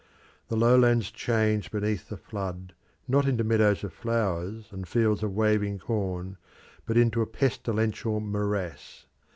The lowlands changed beneath the flood, not into meadows of flowers and fields of waving corn, but into a pestilential morass.